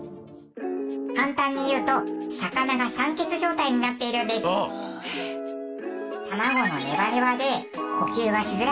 簡単に言うと魚が酸欠状態になっているんです。